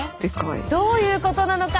どういうことなのか？